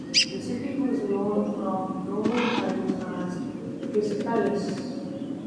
The city was known from Roman times as "Hispalis".